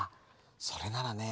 それならね